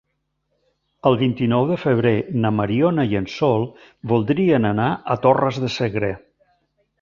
El vint-i-nou de febrer na Mariona i en Sol voldrien anar a Torres de Segre.